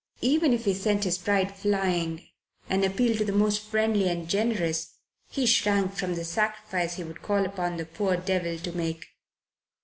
Even if he sent his pride flying and appealed to the most friendly and generous, he shrank from the sacrifice he would call upon the poor devil to make.